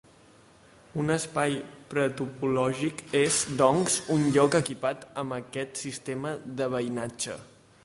Un espai pretopològic és, doncs, un lloc equipat amb aquest sistema de veïnatge.